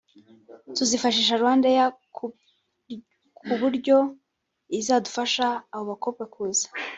tuzifashisha Rwandair ku buryo izadufasha abo bakobwa kuza